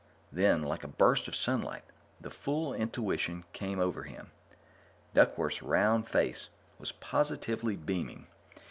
Then, like a burst of sunlight, the full intuition came over him. Duckworth's round face was positively beaming.